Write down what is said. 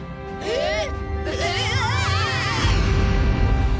えっ？